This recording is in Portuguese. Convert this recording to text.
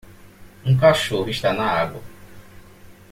Um cachorro está na água.